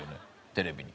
テレビに。